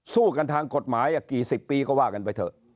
สู้กันทางกฎหมายกี่สิบปีก็ว่ากันไปเถอะ